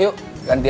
yang ini deh